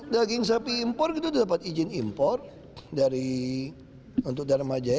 daging sapi impor kita dapat izin impor untuk dharma jaya